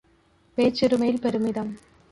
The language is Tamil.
பேச்சுரிமையில் பெருமிதம் ….